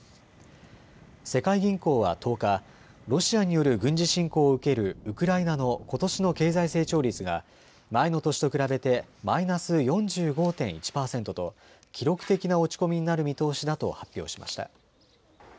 世界銀行は１０日、ロシアによる軍事侵攻を受けるウクライナのことしの経済成長率が前の年比べてマイナス４５．１％と記録的な落ち込みになる見通しだと発表しました。